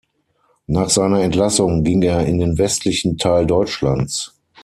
Nach seiner Entlassung ging er in den westlichen Teil Deutschlands.